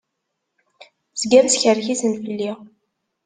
Zgan skerkisen fell-i.